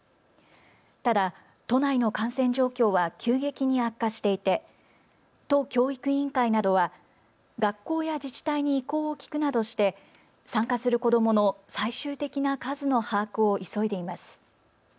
ただ、都内の感染状況は急激に悪化していて都教育委員会などは学校や自治体に意向を聞くなどして参加する子どもの最終的な数の把握を急いでいます。